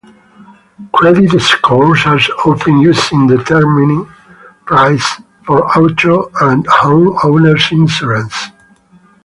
Credit scores are often used in determining prices for auto and homeowner's insurance.